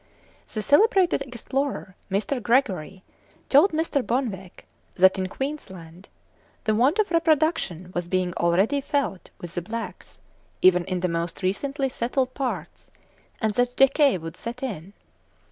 The celebrated explorer, Mr. Gregory, told Mr. Bonwick, that in Queensland "the want of reproduction was being already felt with the blacks, even in the most recently settled parts, and that decay would set in."